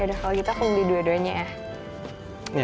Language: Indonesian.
yaudah kalo gitu aku beli dua duanya ya